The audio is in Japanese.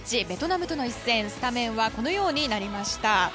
ベトナムとの一戦、スタメンはこのようになりました。